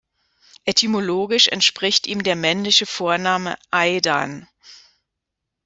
Etymologisch entspricht ihm der männliche Vorname Aidan.